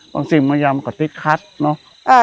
บางสิ่งมันยังมันก็ติดคัดเนอะ